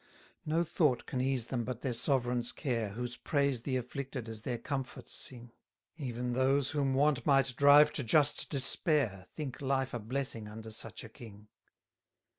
260 No thought can ease them but their sovereign's care, Whose praise the afflicted as their comfort sing: Even those whom want might drive to just despair, Think life a blessing under such a king.